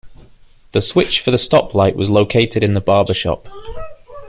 The switch for the stop light was located in the barber shop.